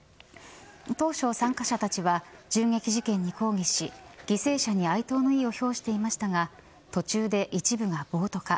当初参加者たちは銃撃事件に抗議し犠牲者に哀悼の意を表していましたが途中で一部が暴徒化。